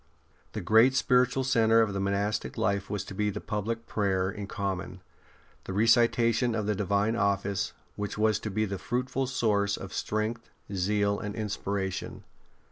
The great spiritual centre of monastic life was to be the public prayer in common, the recitation of the Divine Office, which was to be the fruitful source of strength, zeal, and inspiration.